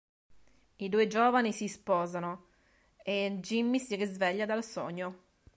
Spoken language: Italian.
I due giovani si sposano... e Jimmie si risveglia dal sogno.